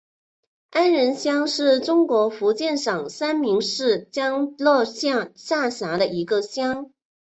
安仁乡是中国福建省三明市将乐县下辖的一个乡。